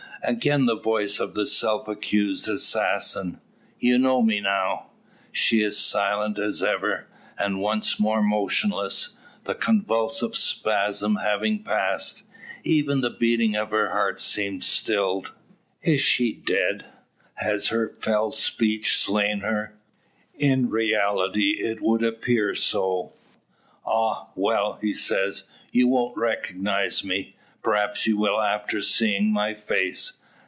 Again the voice of the self accused assassin: "You know me now?" She is silent as ever, and once more motionless; the convulsive spasm having passed. Even the beating of her heart seems stilled. Is she dead? Has his fell speech slain her? In reality it would appear so. "Ah, well;" he says, "you won't recognise me? Perhaps you will after seeing my face.